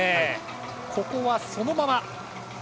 ここはそのまま。